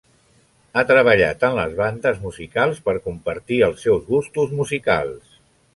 Ha treballat en les bandes musicals per compartir els seus gustos musicals.